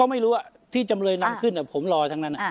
ไม่รู้ว่าที่จำเลยนำขึ้นผมรอทั้งนั้น